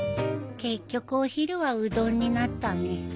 結局お昼はうどんになったね